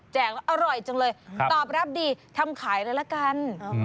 อร่อยจังเลยตอบรับดีทำขายเลยละกัน